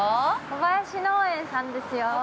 小林農園さんですよ。